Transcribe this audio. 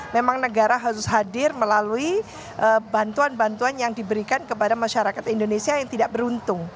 memang negara harus hadir melalui bantuan bantuan yang diberikan kepada masyarakat indonesia yang tidak beruntung